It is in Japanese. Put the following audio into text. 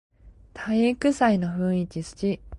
体育祭の雰囲気すき